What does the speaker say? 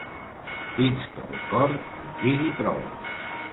Fins que el cor em digui prou!